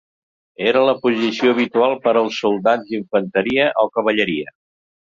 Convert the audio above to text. Era la posició habitual per als soldats d'infanteria o cavalleria.